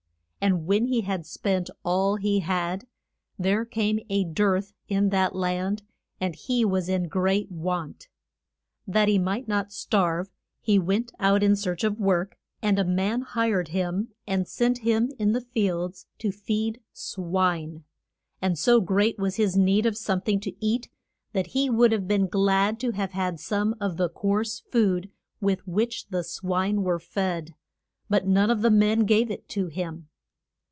And when he had spent all he had, there came a dearth in that land, and he was in great want. That he might not starve, he went out in search of work, and a man hired him, and sent him in the fields to feed swine. And so great was his need of some thing to eat that he would have been glad to have had some of the coarse food with which the swine were fed, but none of the men gave it to him.